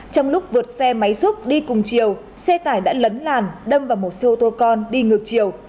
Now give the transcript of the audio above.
trong lúc vượt xe máy xúc đi cùng chiều xe tải đã lấn làn đâm vào một xe ô tô con đi ngược chiều